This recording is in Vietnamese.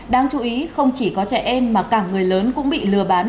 đáng chú ý không chỉ có trẻ em mà cả người lớn cũng bị lừa bán